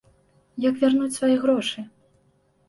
Як вярнуць свае грошы?